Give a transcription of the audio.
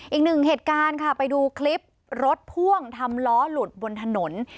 อีกหนึ่งเหตุการณ์ค่ะไปดูคลิปรถพ่วงทำล้อหลุดบนถนน